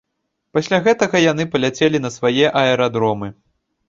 Пасля гэтага яны паляцелі на свае аэрадромы.